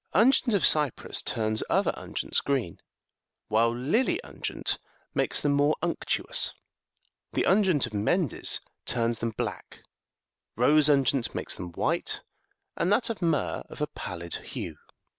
Unguent of Cyprus turns other unguents green, while lily unguent 71 makes them more unctuous : the unguent of Mendes turns them black, rose unguent makes them white, and that of myrrh of a pallid hue.